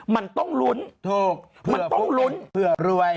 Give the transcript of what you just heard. มันต้องลุ้นเพื่อรวย